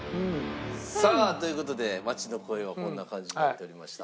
さあという事で街の声はこんな感じになっておりました。